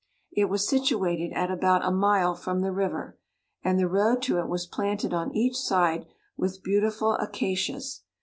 It was situated at about a mile from the river, and the road to it was planted on each side with beautiful acacias.